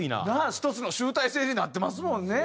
１つの集大成になってますもんね。